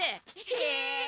へえ。